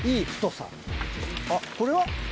あっこれは？